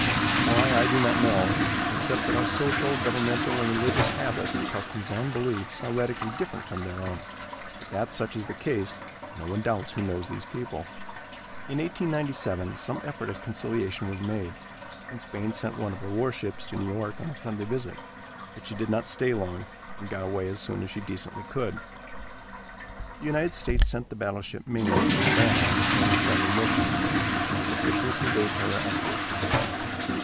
Why, I do not know; except that our social, governmental and religious habits, customs and beliefs are radically different from their own; but that such is the case no one doubts who knows these people. In 1897 some effort at conciliation was made, and Spain sent one of her warships to New York on a friendly visit; but she did not stay long, and got away as soon as she decently could. The United States sent the battleship Maine to Havana on the same friendly mission, where she was officially conveyed to her anchorage.